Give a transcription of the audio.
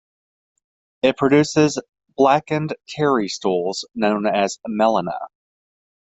It produces blackened, "tarry" stools known as melena.